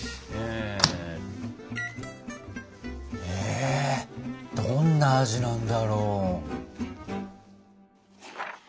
えどんな味なんだろう。